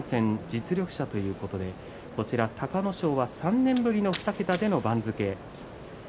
実力者ということで隆の勝は３年ぶりの２桁での番付。